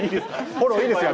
フォローいいですよ。